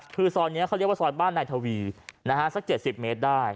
คือซอยนี้เขาเรียกว่าซอยบ้านนายทวีสัก๗๐เมตรได้